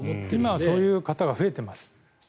今、そういう方は増えています。